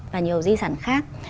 và nhiều di sản khác